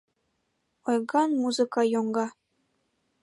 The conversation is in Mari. Ойган музыка йоҥга.